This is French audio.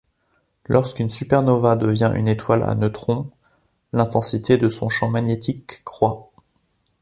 Lorsqu'une supernova devient une étoile à neutrons, l'intensité de son champ magnétique croît.